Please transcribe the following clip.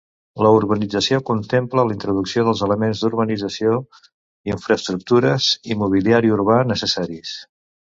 La urbanització contempla la introducció dels elements d’urbanització, infraestructures i mobiliari urbà necessaris.